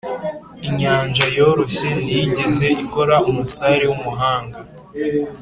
inyanja yoroshye ntiyigeze ikora umusare w'umuhanga.